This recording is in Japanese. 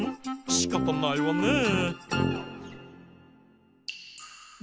しかたないわねえ。